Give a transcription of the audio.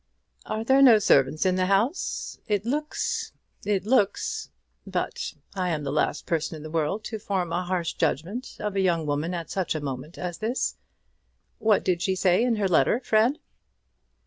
"Are there no servants in the house? It looks, it looks . But I am the last person in the world to form a harsh judgment of a young woman at such a moment as this. What did she say in her letter, Fred?"